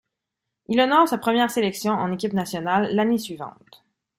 Il honore sa première sélection en équipe nationale l'année suivante.